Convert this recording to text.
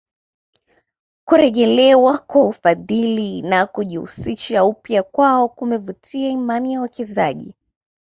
Kurejelewa kwa ufadhili na kujihusisha upya kwao kumevutia imani ya wawekezaji